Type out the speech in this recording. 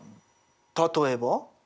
例えば？